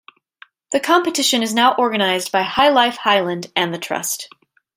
The competition is now organised by High Life Highland and the Trust.